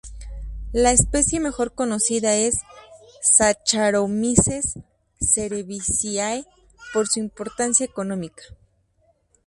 La especie mejor conocida es "Saccharomyces cerevisiae" por su importancia económica.